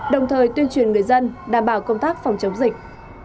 đồng thời tuyên truyền người dân đảm bảo công tác phòng chống dịch